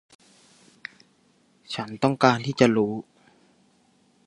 ฉันต้องการที่จะรู้